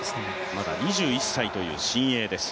まだ２１歳という新鋭です。